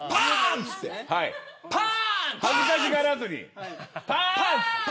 恥ずかしがらずに。